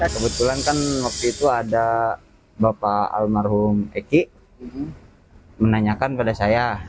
kebetulan kan waktu itu ada bapak almarhum eki menanyakan pada saya